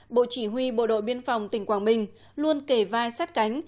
bộ chỉ huy bộ đội biên phòng tỉnh quảng bình luôn kề vai sát cánh